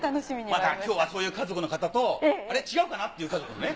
またそういう家族の方とあれ違うかなっていう家族もね。